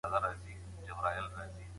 څنګه له څارویو سره ناوړه چلند منع کیږي؟